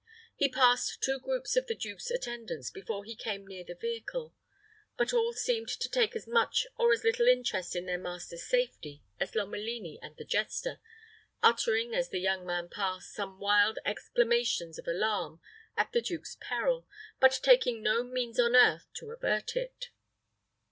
He passed two groups of the duke's attendants before he came near the vehicle, but all seemed to take as much or as little interest in their master's safety as Lomelini and the jester, uttering, as the young man passed, some wild exclamations of alarm at the duke's peril, but taking no means on earth to avert it.